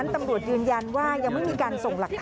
ตำรวจยืนยันต่างกับพื้นที่ประดาษปราศนาสตร์